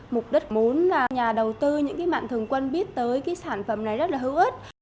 mục đích muốn là nhà đầu tư những cái mạng thường quân biết tới cái sản phẩm này rất là hữu ích